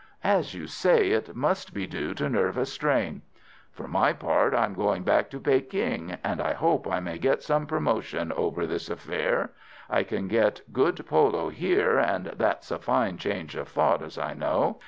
As you say, it must be due to nervous strain. For my part I am going back to Peking, and I hope I may get some promotion over this affair. I can get good polo here, and that's as fine a change of thought as I know.